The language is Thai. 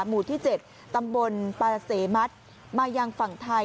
หมู่ที่๗ตำบลปารเสมัติมายังฝั่งไทย